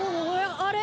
あれ？